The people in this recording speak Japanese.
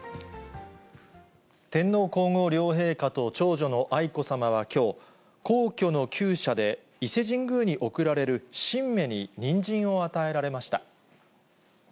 天皇皇后両陛下と長女の愛子さまはきょう、皇居のきゅう舎で、伊勢神宮に贈られる神馬にニンジンを与えられました。